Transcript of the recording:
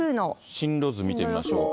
進路予想を見てみましょうか。